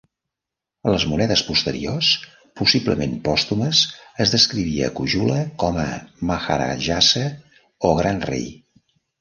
A les monedes posteriors, possiblement pòstumes, es descrivia Kujula com a "Maharajasa" o "Gran Rei".